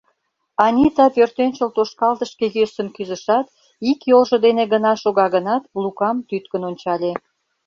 Анита пӧртӧнчыл тошкалтышке йӧсын кӱзышат, ик йолжо дене гына шога гынат, Лукам тӱткын ончале.